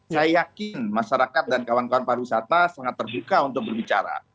saya yakin masyarakat dan kawan kawan pariwisata sangat terbuka untuk berbicara